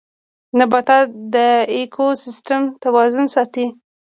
نباتات د ايکوسيستم توازن ساتي